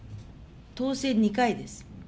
当選２回です。